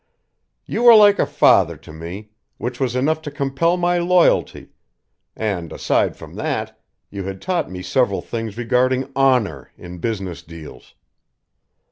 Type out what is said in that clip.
You were like a father to me which was enough to compel my loyalty and, aside from that, you had taught me several things regarding honor in business deals.